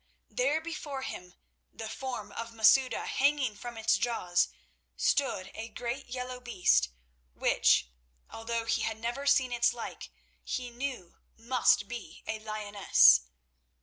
there before him, the form of Masouda, hanging from its jaws, stood a great yellow beast, which, although he had never seen its like, he knew must be a lioness.